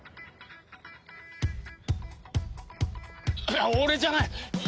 いや俺じゃない！